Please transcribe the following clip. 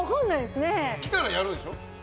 来たらやるでしょ？